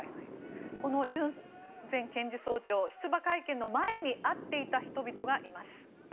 このユン前検事総長出馬会見の前に会っていた人々がいます。